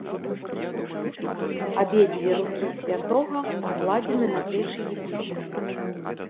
Абедзве рукі святога пакладзены на плечы епіскапа.